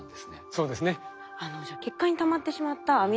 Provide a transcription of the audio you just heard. そうですね。